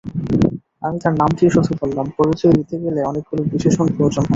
আমি তাঁর নামটিই শুধু বললাম, পরিচয় দিতে গেলে অনেকগুলো বিশেষণ প্রয়োজন হবে।